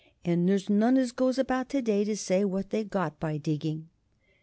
But there's none as goes about to day to tell what they got by digging."